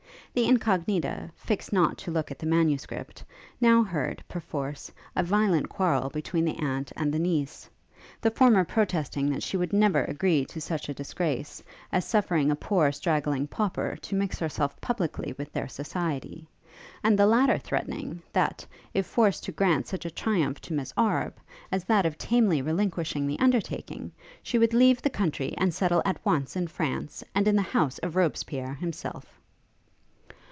The Incognita, fixed not to look at the manuscript, now heard, perforce, a violent quarrel between the aunt and the niece, the former protesting that she would never agree to such a disgrace, as suffering a poor straggling pauper to mix herself publicly with their society; and the latter threatening, that, if forced to grant such a triumph to Miss Arbe, as that of tamely relinquishing the undertaking, she would leave the country and settle at once in France, and in the house of Robespierre himself.